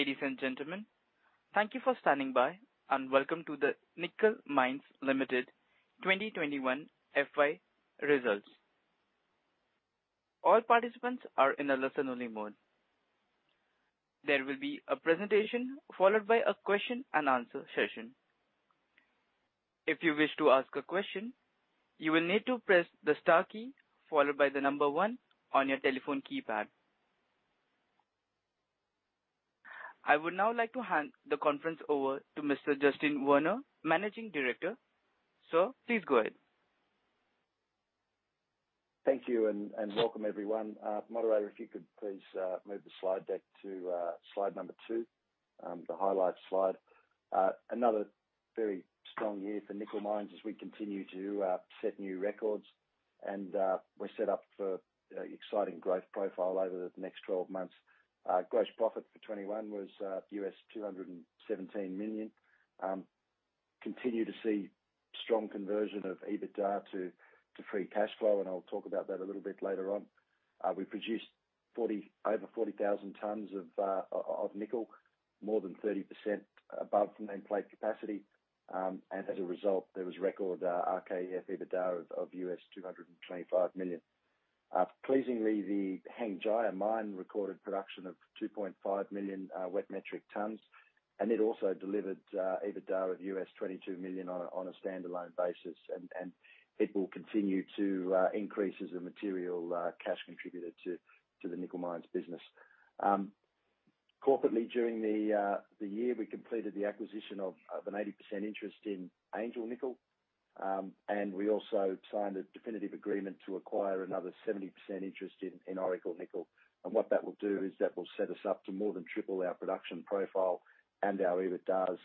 Ladies and gentlemen, thank you for standing by, and welcome to the Nickel Industries Limited 2021 FY Results. All participants are in a listen-only mode. There will be a presentation followed by a question-and-answer session. If you wish to ask a question, you will need to press the star key followed by the number one on your telephone keypad. I would now like to hand the conference over to Mr. Justin Werner, Managing Director. Sir, please go ahead. Thank you and welcome everyone. Moderator, if you could please move the slide deck to slide two, the highlight slide. Another very strong year for Nickel Industries as we continue to set new records and we're set up for exciting growth profile over the next 12 months. Gross profit for 2021 was $217 million. Continue to see strong conversion of EBITDA to free cash flow, and I'll talk about that a little bit later on. We produced over 40,000 tons of nickel, more than 30% above nameplate capacity. As a result, there was record RKEF EBITDA of $225 million. Pleasingly, the Hengjaya mine recorded production of 2.5 million wet metric tons, and it also delivered EBITDA of $22 million on a standalone basis. It will continue to increase as a material cash contributor to the Nickel Industries business. Corporately, during the year, we completed the acquisition of an 80% interest in Angel Nickel. We also signed a definitive agreement to acquire another 70% interest in Oracle Nickel. What that will do is that will set us up to more than triple our production profile and our EBITDAs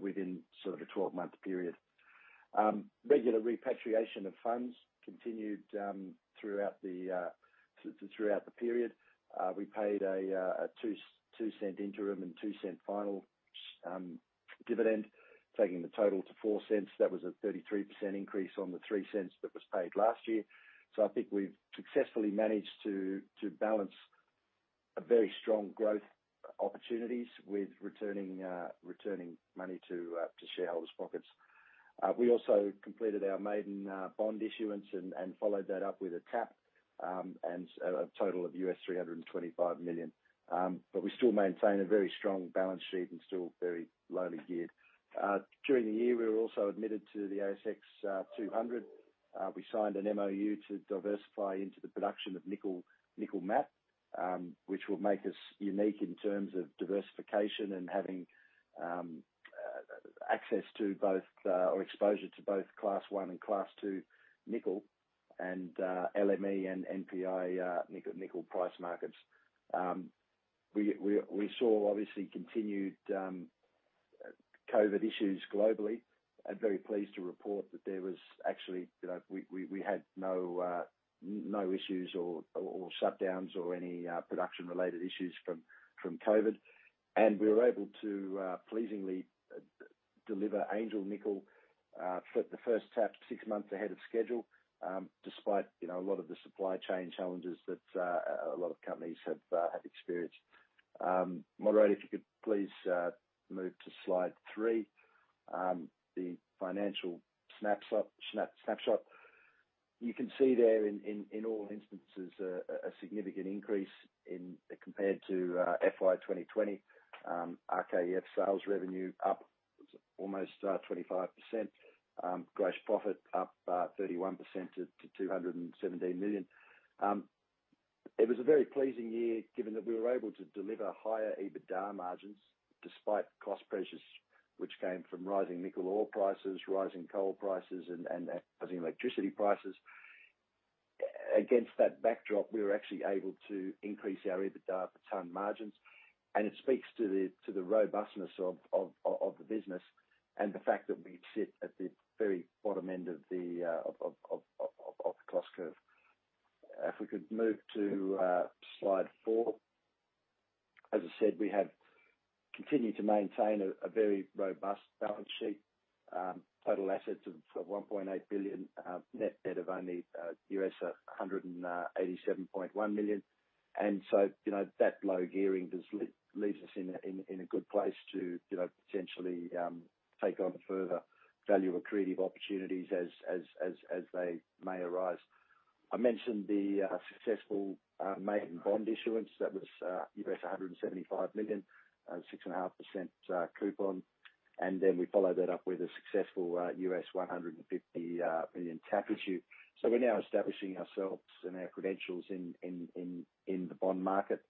within sort of a 12-month period. Regular repatriation of funds continued throughout the period. We paid a 0.02 interim and 0.02 final dividend, taking the total to 0.04. That was a 33% increase on the 0.03 that was paid last year. I think we've successfully managed to balance a very strong growth opportunities with returning money to shareholders' pockets. We also completed our maiden bond issuance and followed that up with a tap, a total of $325 million. We still maintain a very strong balance sheet and still very lowly geared. During the year, we were also admitted to the ASX 200. We signed an MoU to diversify into the production of nickel matte, which will make us unique in terms of diversification and having access to both or exposure to both Class 1 and Class 2 nickel and LME and NPI nickel price markets. We saw obviously continued COVID issues globally. I'm very pleased to report that there was actually, you know, we had no issues or shutdowns or any production-related issues from COVID. We were able to pleasingly deliver Angel Nickel for the first tap six months ahead of schedule, despite, you know, a lot of the supply chain challenges that a lot of companies have experienced. Moderator, if you could please move to slide three, the financial snapshot. You can see there in all instances a significant increase compared to FY 2020. RKEF sales revenue up almost 25%. Gross profit up 31% to $217 million. It was a very pleasing year given that we were able to deliver higher EBITDA margins despite cost pressures, which came from rising nickel ore prices, rising coal prices, and rising electricity prices. Against that backdrop, we were actually able to increase our EBITDA per ton margins, and it speaks to the robustness of the business and the fact that we sit at the very bottom end of the cost curve. If we could move to slide four. As I said, we have continued to maintain a very robust balance sheet. Total assets of $1.8 billion, net debt of only $187.1 million. You know, that low gearing does leave us in a good place to you know, potentially take on further value-accretive opportunities as they may arise. I mentioned the successful maiden bond issuance. That was $175 million, 6.5% coupon. We followed that up with a successful $150 million tap issue. We're now establishing ourselves and our credentials in the bond market.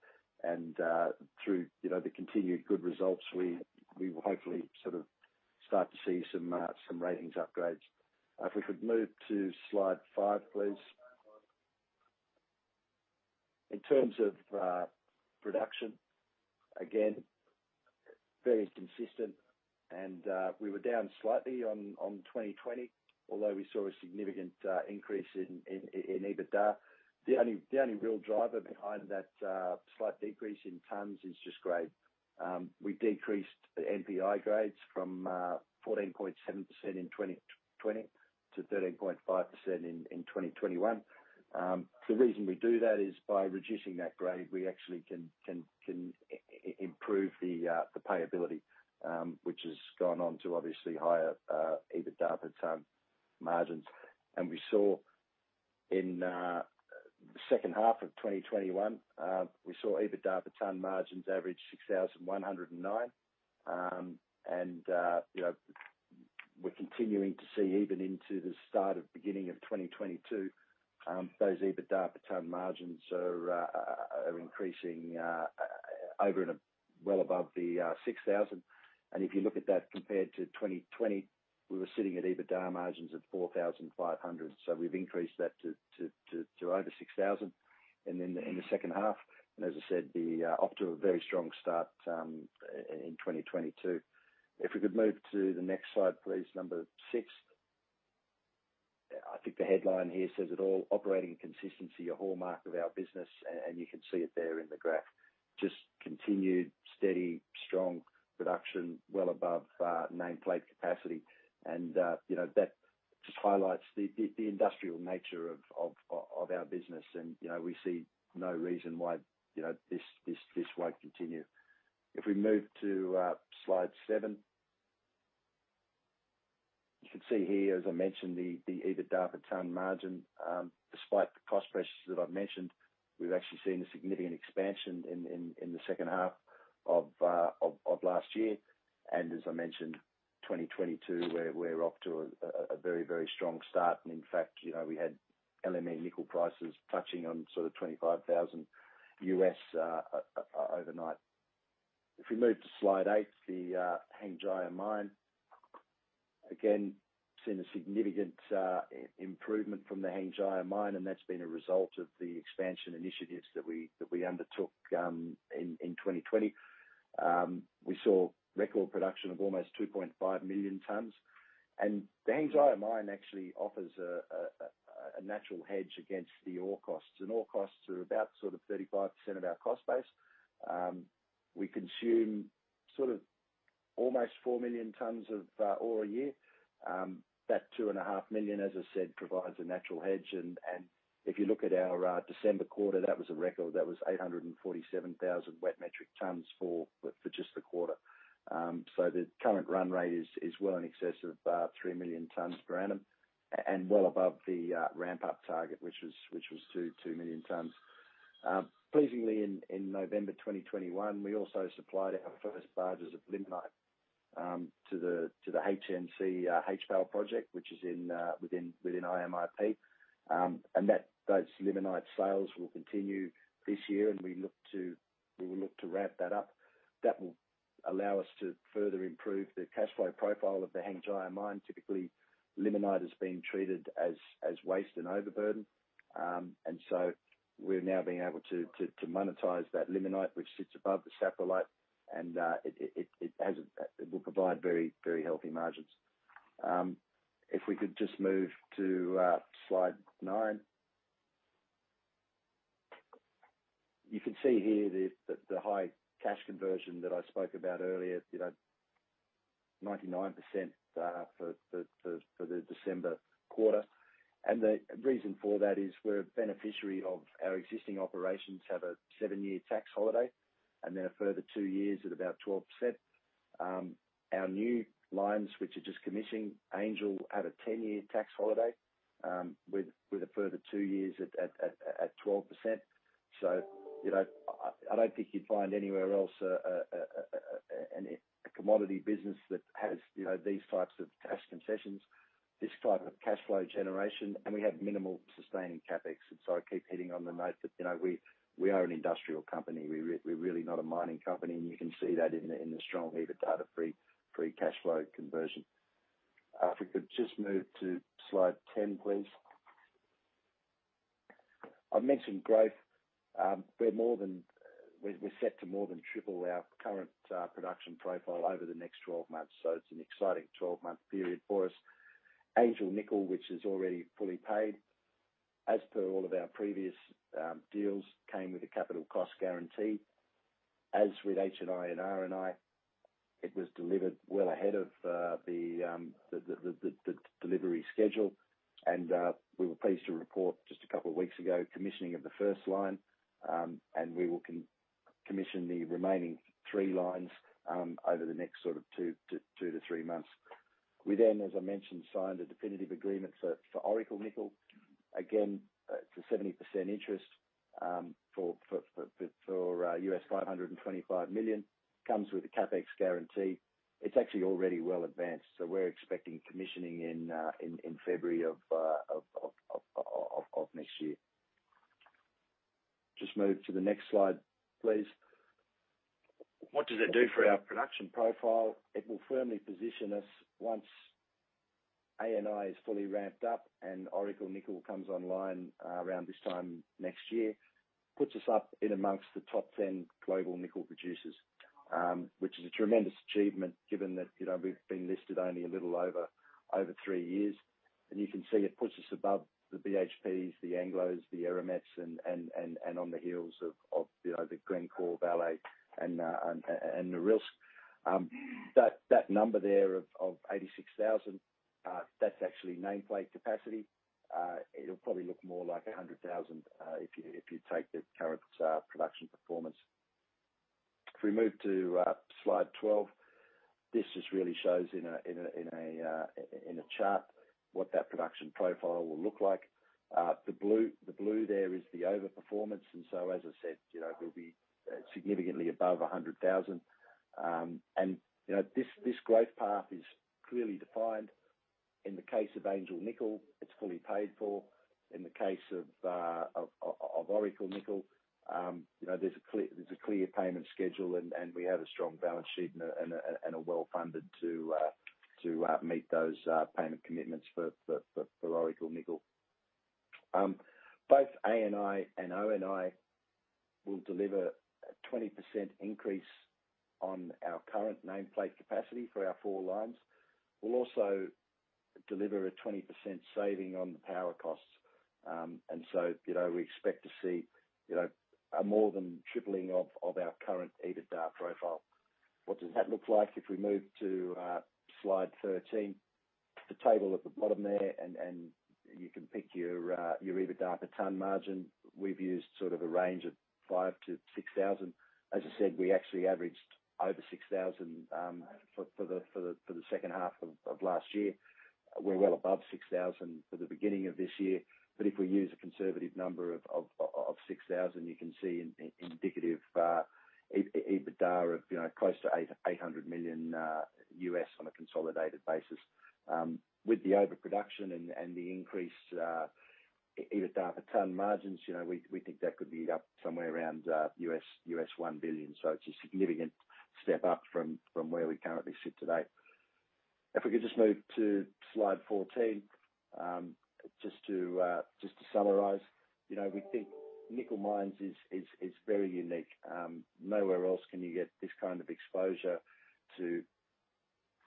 Through the continued good results, we will hopefully sort of start to see some ratings upgrades. If we could move to slide five, please. In terms of production, again, very consistent. We were down slightly on 2020, although we saw a significant increase in EBITDA. The only real driver behind that slight decrease in tons is just grade. We decreased the NPI grades from 14.7% in 2020 to 13.5% in 2021. The reason we do that is by reducing that grade, we actually can improve the payability, which has gone on to obviously higher EBITDA per ton margins. We saw in the second half of 2021, we saw EBITDA per ton margins average $6,109. You know, we're continuing to see even into the start of beginning of 2022, those EBITDA per ton margins are increasing over and well above the $6,000. If you look at that compared to 2020, we were sitting at EBITDA margins of $4,500. We've increased that to over $6,000 and then in the second half. As I said, we're off to a very strong start in 2022. If we could move to the next slide, please, number six. I think the headline here says it all, operating consistency, a hallmark of our business, and you can see it there in the graph. Just continued steady, strong production well above nameplate capacity. You know, that just highlights the industrial nature of our business. You know, we see no reason why, you know, this won't continue. If we move to slide seven. You can see here, as I mentioned, the EBITDA per ton margin. Despite the cost pressures that I've mentioned, we've actually seen a significant expansion in the second half of last year. As I mentioned, 2022, we're off to a very strong start. In fact, you know, we had LME nickel prices touching on sort of $25,000 overnight. If we move to slide eight, the Hengjaya mine. Again, seen a significant improvement from the Hengjaya mine, and that's been a result of the expansion initiatives that we undertook in 2020. We saw record production of almost 2.5 million tons. The Hengjaya mine actually offers a natural hedge against the ore costs, and ore costs are about sort of 35% of our cost base. We consume sort of almost 4 million tons of ore a year. That 2.5 million, as I said, provides a natural hedge. If you look at our December quarter, that was a record. That was 847,000 wet metric tons for just the quarter. The current run rate is well in excess of about 3 million tons per annum and well above the ramp-up target, which was 2 million tons. Pleasingly in November 2021, we also supplied our first barges of limonite to the HNC HPAL project, which is within IMIP. Those limonite sales will continue this year, and we will look to ramp that up. That will allow us to further improve the cash flow profile of the Hengjaya mine. Typically, limonite has been treated as waste and overburden. We're now being able to monetize that limonite which sits above the saprolite, and it will provide very healthy margins. If we could just move to slide nine. You can see here the high cash conversion that I spoke about earlier, you know, 99% for the December quarter. The reason for that is we're a beneficiary of our existing operations have a seven-year tax holiday and then a further two years at about 12%. Our new lines, which are just commissioning Angel at a ten-year tax holiday, with a further two years at 12%. You know, I don't think you'd find anywhere else a commodity business that has, you know, these types of tax concessions, this type of cash flow generation, and we have minimal sustaining CapEx. I keep hitting on the note that, you know, we are an industrial company. We're really not a mining company, and you can see that in the strong EBITDA to free cash flow conversion. If we could just move to slide 10, please. I mentioned growth. We're set to more than triple our current production profile over the next 12 months. It's an exciting 12-month period for us. Angel Nickel, which is already fully paid, as per all of our previous deals, came with a capital cost guarantee. As with HNI and RNI, it was delivered well ahead of the delivery schedule. We were pleased to report just a couple of weeks ago, commissioning of the first line, and we will commission the remaining three lines over the next sort of 2-3 months. We then, as I mentioned, signed a definitive agreement for Oracle Nickel. Again, it's a 70% interest for $525 million. Comes with a CapEx guarantee. It's actually already well advanced, so we're expecting commissioning in February of next year. Just move to the next slide, please. What does it do for our production profile? It will firmly position us once ANI is fully ramped up and Oracle Nickel comes online around this time next year. Puts us up among the top 10 global nickel producers. It's a tremendous achievement given that, you know, we've been listed only a little over three years. You can see it puts us above the BHPs, the Anglo Americans, the Eramets and on the heels of the Glencore, Vale and Norilsk. That number there of 86,000, that's actually nameplate capacity. It'll probably look more like 100,000 if you take the current production performance. If we move to slide 12. This just really shows in a chart what that production profile will look like. The blue there is the overperformance. As I said, you know, we'll be significantly above 100,000. You know, this growth path is clearly defined. In the case of Angel Nickel, it's fully paid for. In the case of Oracle Nickel, you know, there's a clear payment schedule and we have a strong balance sheet and a well-funded to meet those payment commitments for Oracle Nickel. Both ANI and ONI will deliver a 20% increase on our current nameplate capacity for our four lines. We'll also deliver a 20% saving on the power costs. You know, we expect to see, you know, a more than tripling of our current EBITDA profile. What does that look like? If we move to slide 13. The table at the bottom there and you can pick your EBITDA per ton margin. We've used sort of a range of 5,000-6,000. As I said, we actually averaged over 6,000 for the second half of last year. We're well above 6,000 for the beginning of this year. If we use a conservative number of 6,000, you can see in indicative EBITDA of, you know, close to $800 million U.S. on a consolidated basis. With the overproduction and the increased EBITDA per ton margins, you know, we think that could be up somewhere around U.S. $1 billion. It's a significant step up from where we currently sit today. If we could just move to slide 14. Just to summarize. You know, we think Nickel Industries is very unique. Nowhere else can you get this kind of exposure to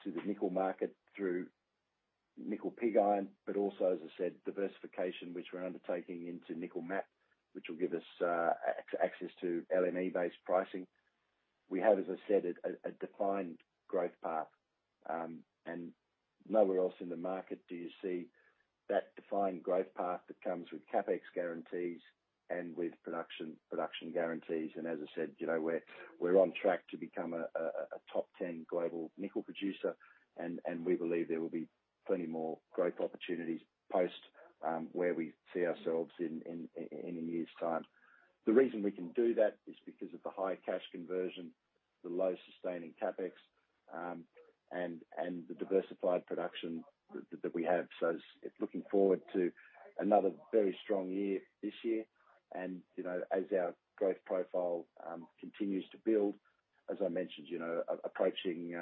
the nickel market through nickel pig iron, but also, as I said, diversification which we're undertaking into nickel matte, which will give us access to LME-based pricing. We have, as I said, a defined growth path. Nowhere else in the market do you see that defined growth path that comes with CapEx guarantees and with production guarantees. As I said we're on track to become a top ten global nickel producer and we believe there will be plenty more growth opportunities post where we see ourselves in a year's time. The reason we can do that is because of the high cash conversion, the low sustaining CapEx, and the diversified production that we have. It's looking forward to another very strong year this year. You know, as our growth profile continues to build, as I mentioned, you know, approaching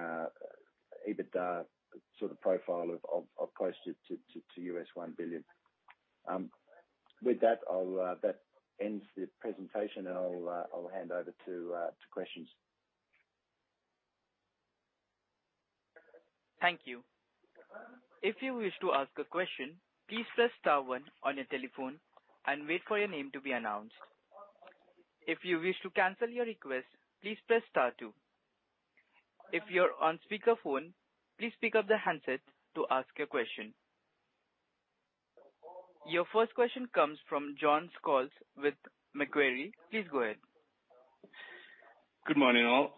EBITDA sort of profile of close to $1 billion. With that ends the presentation, and I'll hand over to questions. Your first question comes from John Scholes with Macquarie. Please go ahead. Good morning, all.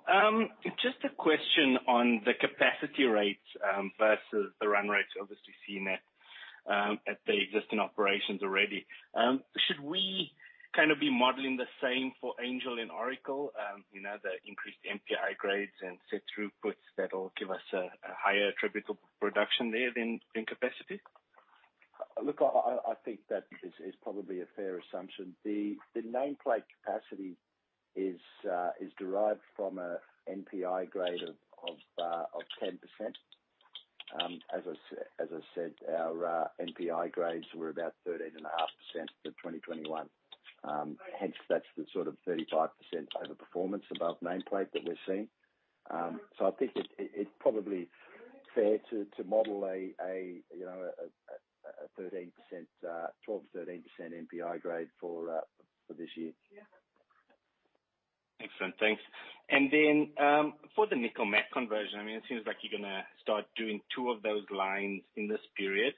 Just a question on the capacity rates versus the run rates obviously seen at the existing operations already. Should we kind of be modeling the same for Angel and Oracle, you know, the increased NPI grades and set throughputs that'll give us a higher attributable production there than in capacity? Look, I think that is probably a fair assumption. The nameplate capacity is derived from a NPI grade of 10%. As I said, our NPI grades were about 13.5% for 2021. Hence that's the sort of 35% overperformance above nameplate that we're seeing. I think it probably fair to model a, you know, a 13%, 12, 13% NPI grade for this year. Excellent. Thanks. Then, for the nickel matte conversion, I mean, it seems like you're gonna start doing two of those lines in this period.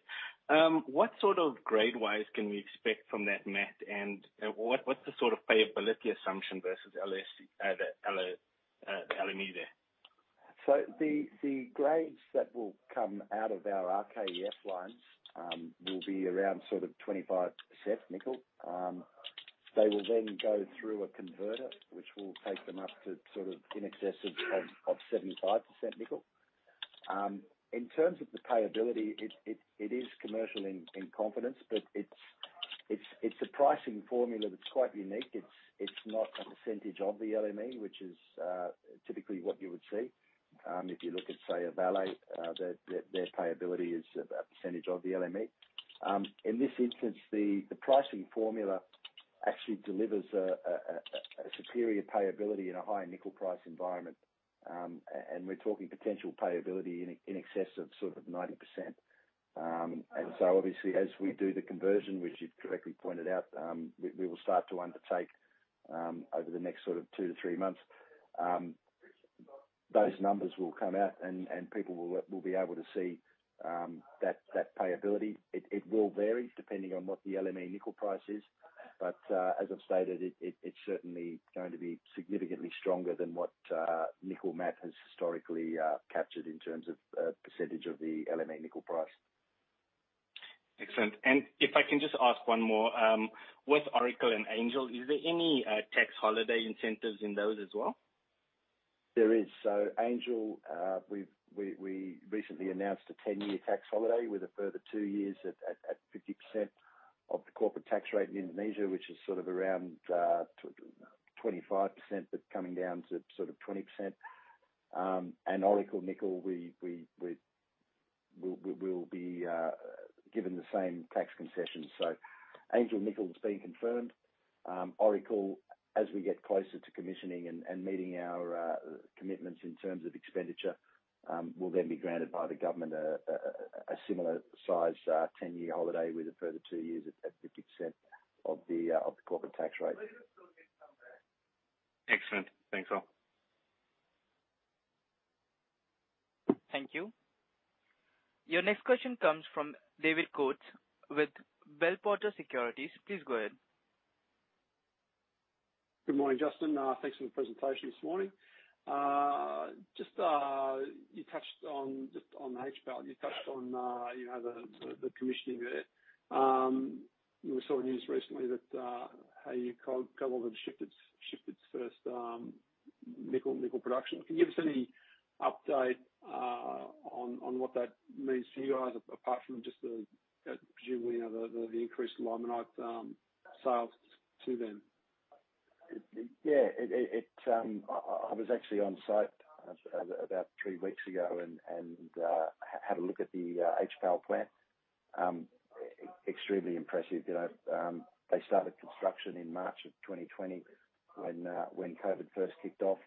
What sort of grade-wise can we expect from that matte and, what's the sort of payability assumption versus LME, the LME there? The grades that will come out of our RKEF line will be around sort of 25% nickel. They will then go through a converter which will take them up to sort of in excess of 75% nickel. In terms of the payability, it is commercial in confidence, but it's a pricing formula that's quite unique. It's not a percentage of the LME, which is typically what you would see. If you look at, say, a Vale, their payability is a percentage of the LME. In this instance, the pricing formula actually delivers a superior payability in a high nickel price environment. And we're talking potential payability in excess of sort of 90%. Obviously, as we do the conversion, which you've correctly pointed out, we will start to undertake over the next sort of two to three months. Those numbers will come out and people will be able to see that payability. It will vary depending on what the LME nickel price is. As I've stated, it's certainly going to be significantly stronger than what nickel matte has historically captured in terms of percentage of the LME nickel price. Excellent. If I can just ask one more with Oracle and Angel, is there any tax holiday incentives in those as well? There is. Angel, we recently announced a 10-year tax holiday with a further two years at 50% of the corporate tax rate in Indonesia, which is sort of around 25%, but coming down to sort of 20%. Oracle Nickel, we will be given the same tax concessions. Angel Nickel has been confirmed. Oracle, as we get closer to commissioning and meeting our commitments in terms of expenditure, will then be granted by the government a similar sized 10-year holiday with a further two years at 50% of the corporate tax rate. Excellent. Thanks all. Thank you. Your next question comes from David Coates with Bell Potter Securities. Please go ahead. Good morning, Justin. Thanks for the presentation this morning. Just on HPAL, you touched on the commissioning there. We saw news recently that Huayou Nickel Cobalt shipped its first nickel production. Can you give us any update on what that means for you guys, apart from just the, presumably, you know, the increased limonite sales to them? Yeah. I was actually on site about three weeks ago and had a look at the HPAL plant. Extremely impressive. They started construction in March of 2020 when COVID first kicked off.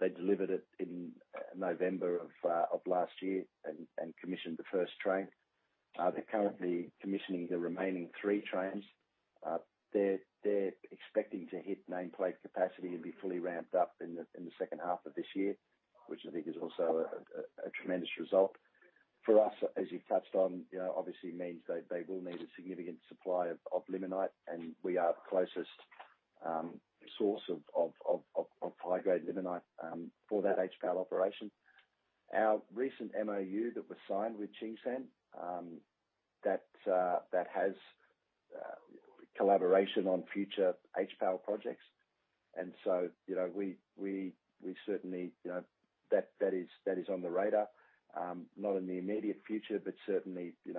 They delivered it in November of last year and commissioned the first train. They're currently commissioning the remaining three trains. They're expecting to hit nameplate capacity and be fully ramped up in the second half of this year, which I think is also a tremendous result. For us, as you've touched on obviously means they will need a significant supply of limonite, and we are the closest source of high-grade limonite for that HPAL operation. Our recent MoU that was signed with Tsingshan, that has collaboration on future HPAL projects. You know, we certainly, you know. That is on the radar, not in the immediate future, but certainly in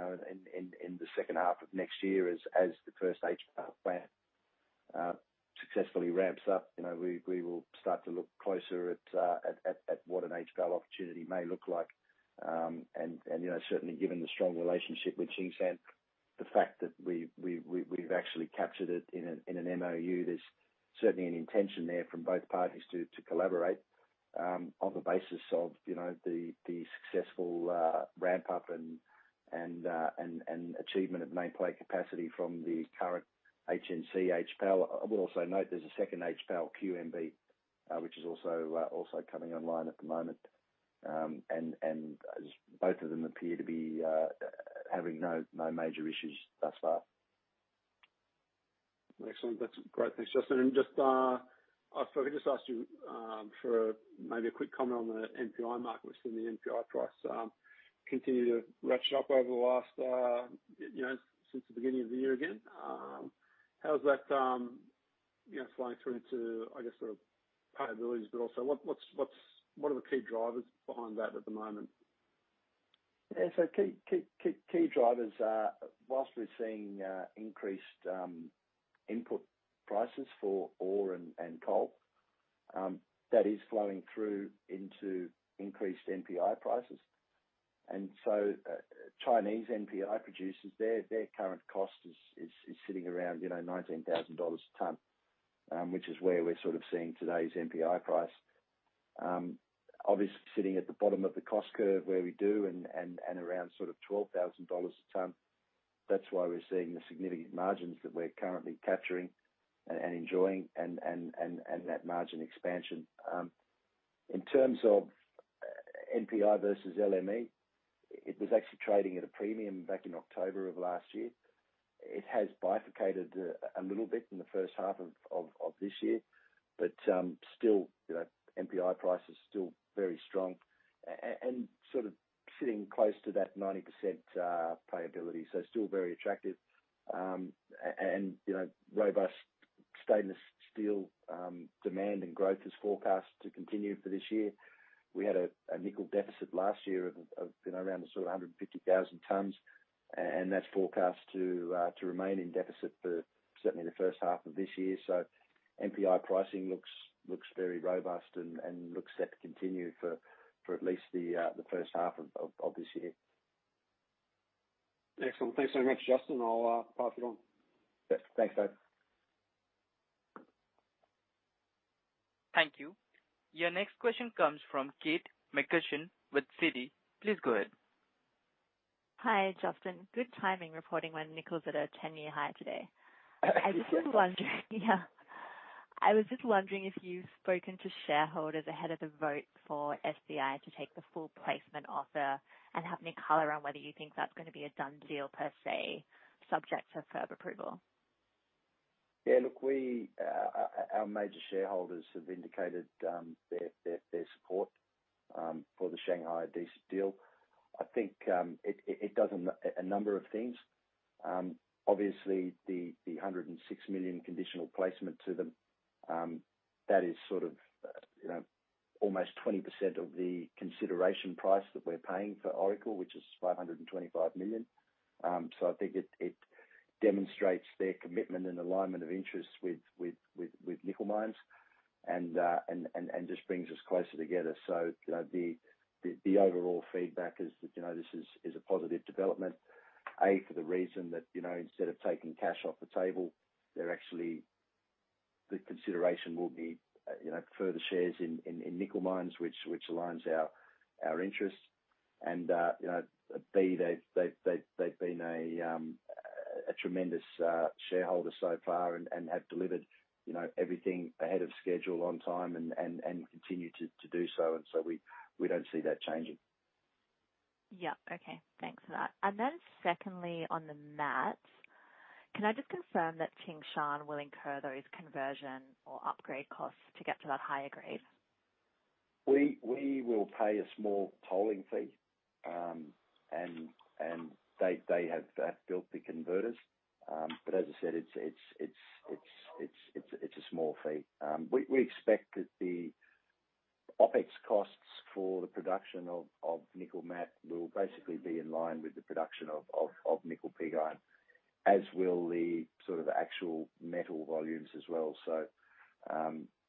the second half of next year as the first HPAL plant successfully ramps up. You know, we will start to look closer at what an HPAL opportunity may look like. you know, certainly given the strong relationship with Tsingshan, the fact that we've actually captured it in an MOU, there's certainly an intention there from both parties to collaborate on the basis of the successful ramp-up and achievement of nameplate capacity from the current HNC HPAL. I will also note there's a second HPAL QMB, which is also coming online at the moment. Both of them appear to be having no major issues thus far. Excellent. That's great. Thanks, Justin. Just, if I could just ask you, for maybe a quick comment on the NPI market. We've seen the NPI price continue to ratchet up over the last, you know, since the beginning of the year again. How's that, you know, flowing through into, I guess sort of payabilities, but also what are the key drivers behind that at the moment? Yeah. Key drivers are while we're seeing increased input prices for ore and coal, that is flowing through into increased NPI prices. Chinese NPI producers, their current cost is sitting around, you know, $19,000 a ton, which is where we're sort of seeing today's NPI price. Obviously sitting at the bottom of the cost curve where we do and around sort of $12,000 a ton. That's why we're seeing the significant margins that we're currently capturing and enjoying and that margin expansion. In terms of NPI versus LME, it was actually trading at a premium back in October of last year. It has bifurcated a little bit in the first half of this year. Still, you know, NPI price is still very strong and sort of sitting close to that 90% payability. Still very attractive. You know, robust stainless steel demand and growth is forecast to continue for this year. We had a nickel deficit last year of, you know, around the sort of 150,000 tons, and that's forecast to remain in deficit for certainly the first half of this year. NPI pricing looks very robust and looks set to continue for at least the first half of this year. Excellent. Thanks so much, Justin. I'll pass it on. Yes. Thanks, Ed. Thank you. Your next question comes from Kate McCutcheon with Citi. Please go ahead. Hi, Justin. Good timing reporting when nickel's at a 10-year high today. I was just wondering if you've spoken to shareholders ahead of the vote for SDI to take the full placement offer and have any color on whether you think that's gonna be a done deal per se, subject to further approval. Look, our major shareholders have indicated their support for the Shanghai Decent deal. I think it does a number of things. Obviously the $106 million conditional placement to them, that is sort of, you know, almost 20% of the consideration price that we're paying for Oracle, which is $525 million. I think it demonstrates their commitment and alignment of interests with Nickel Industries and just brings us closer together. You know, the overall feedback is that, you know, this is a positive development, A, for the reason that, you know, instead of taking cash off the table, they're actually. The consideration will be further shares in Nickel Mines which aligns our interests. But they've been a tremendous shareholder so far and continue to do so. We don't see that changing. Yeah. Okay. Thanks for that. Secondly, on the mattes, can I just confirm that Tsingshan will incur those conversion or upgrade costs to get to that higher grade? We will pay a small tolling fee, and they have built the converters. As I said, it's a small fee. We expect that the OpEx costs for the production of nickel matte will basically be in line with the production of nickel pig iron. As will the sort of actual metal volumes as well.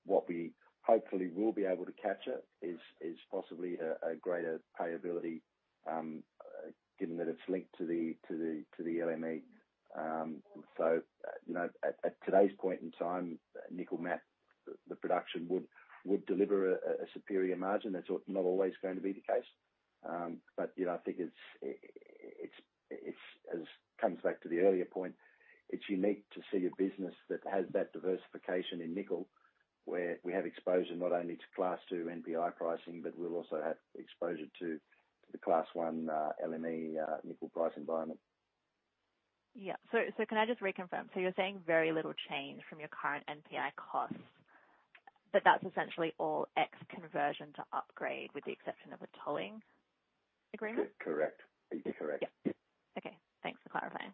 What we hopefully will be able to capture is possibly a greater payability, given that it's linked to the LME. You know, at today's point in time, nickel matte, the production would deliver a superior margin. That's not always going to be the case. You know, I think it's comes back to the earlier point. It's unique to see a business that has that diversification in nickel, where we have exposure not only to Class 2 NPI pricing, but we'll also have exposure to the Class 1 LME nickel price environment. Yeah. Can I just reconfirm? You're saying very little change from your current NPI costs, but that's essentially all ex conversion to upgrade with the exception of a tolling agreement? Correct. Correct. Yeah. Okay. Thanks for clarifying.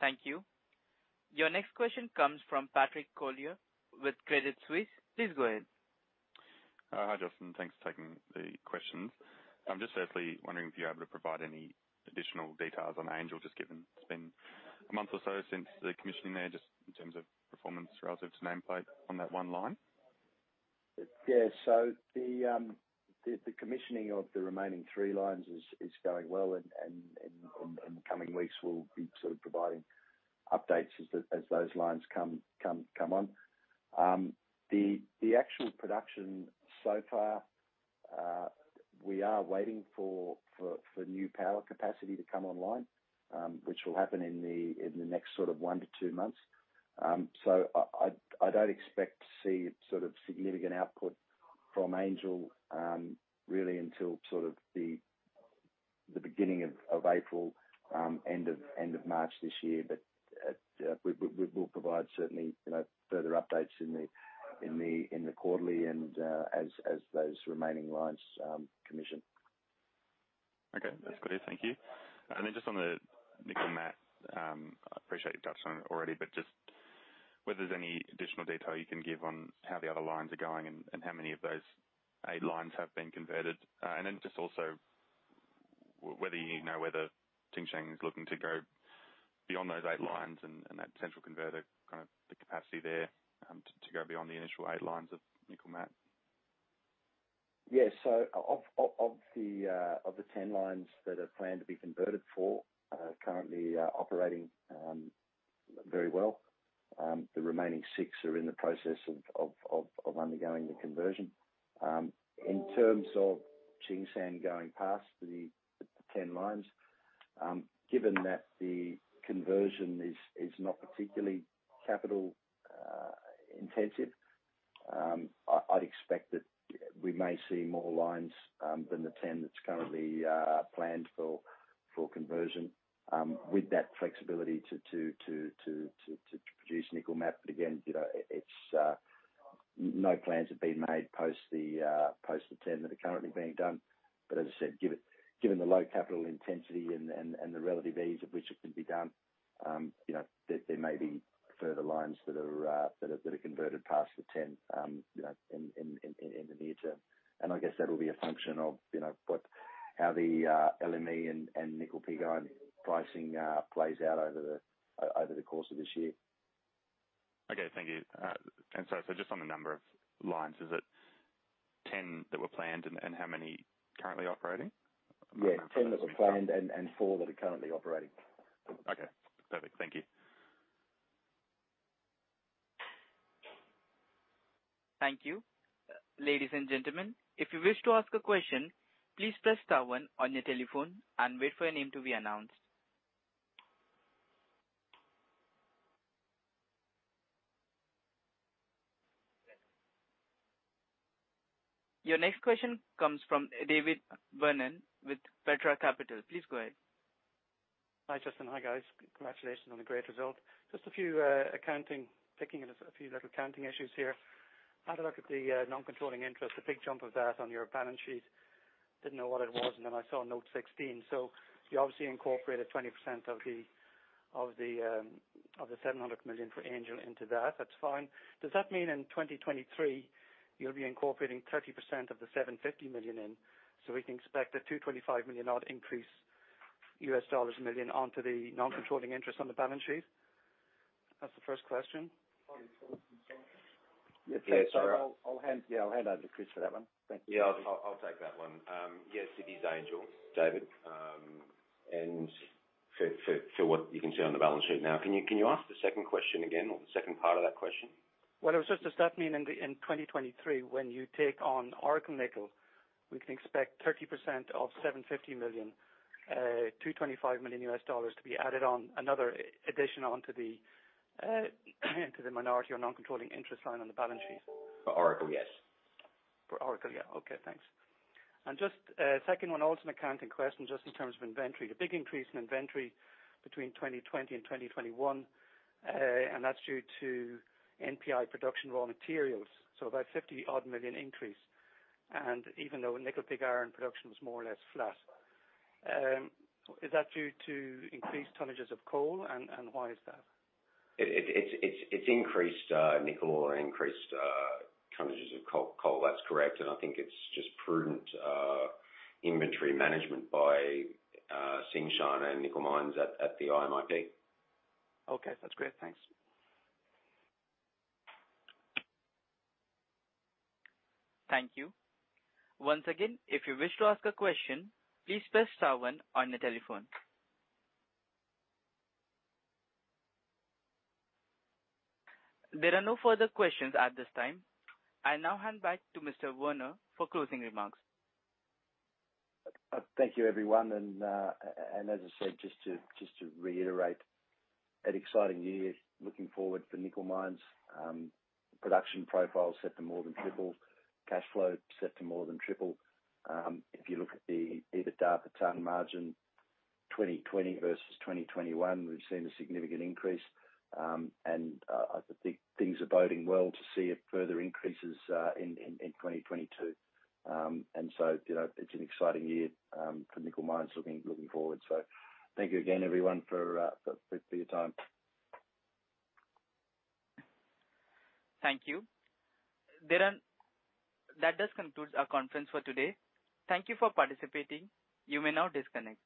Thank you. Your next question comes from Patrick Collier with Credit Suisse. Please go ahead. Hi, Justin. Thanks for taking the questions. I'm just firstly wondering if you're able to provide any additional details on Angel, just given it's been a month or so since the commissioning there, just in terms of performance relative to nameplate on that one line? Yeah. The commissioning of the remaining three lines is going well and in the coming weeks we'll be sort of providing updates as those lines come on. The actual production so far, we are waiting for new power capacity to come online, which will happen in the next 1-2 months. I don't expect to see sort of significant output from Angel really until sort of the beginning of April, end of March this year. We will provide certainly, you know, further updates in the quarterly and as those remaining lines commission. Okay. That's good. Thank you. Just on the nickel matte, I appreciate you touched on it already, but just whether there's any additional detail you can give on how the other lines are going and how many of those eight lines have been converted. Just also whether you know whether Tsingshan is looking to go beyond those eight lines and that potential converter, kind of the capacity there, to go beyond the initial eight lines of nickel matte. Yeah. Of the 10 lines that are planned to be converted, four are currently operating very well. The remaining six are in the process of undergoing the conversion. In terms of Tsingshan going past the 10 lines, given that the conversion is not particularly capital-intensive, I'd expect that we may see more lines than the 10 that are currently planned for conversion, with that flexibility to produce nickel Had a look at the non-controlling interest, the big jump of that on your balance sheet. Didn't know what it was, and then I saw note 16. You obviously incorporated 20% of the $700 million for Angel into that. That's fine. Does that mean in 2023 you'll be incorporating 30% of the $750 million, so we can expect a $225 million odd increase, US dollars million, onto the non-controlling interest on the balance sheet? That's the first question. Sorry. I'll hand over to Chris for that one. Thank you. Yeah. I'll take that one. Yes, it is Angel, David. For what you can see on the balance sheet now. Can you ask the second question again or the second part of that question? Well, does that mean in 2023 when you take on Oracle Nickel, we can expect 30% of $750 million, $225 million to be added on, another addition to the minority or non-controlling interest line on the balance sheet? For Oracle, yes. For Oracle, yeah. Okay, thanks. Just a second one, also an accounting question just in terms of inventory. The big increase in inventory between 2020 and 2021, and that's due to NPI production raw materials, so about $50 million increase. Even though nickel pig iron production was more or less flat. Is that due to increased tonnages of coal, and why is that? It's increased nickel ore, increased tonnages of coal. That's correct. I think it's just prudent inventory management by Tsingshan and Nickel Industries at the IMIP. Okay, that's great. Thanks. Thank you. Once again, if you wish to ask a question, please press star one on your telephone. There are no further questions at this time. I now hand back to Mr. Werner for closing remarks. Thank you everyone. As I said, just to reiterate, an exciting year looking forward for Nickel Industries. Production profile set to more than triple. Cash flow set to more than triple. If you look at the EBITDA per ton margin, 2020 versus 2021, we've seen a significant increase. I think things are boding well to see it further increases in 2022. You know, it's an exciting year for Nickel Industries looking forward. Thank you again everyone for your time. Thank you. Darren, that does conclude our conference for today. Thank you for participating. You may now disconnect.